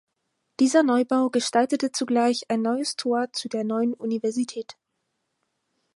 Dieser Neubau gestaltete zugleich ein neues Tor zu der neuen Universität.